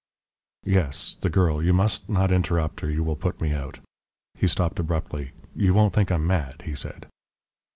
"Yes, the girl. You must not interrupt or you will put me out." He stopped abruptly. "You won't think I'm mad?" he said.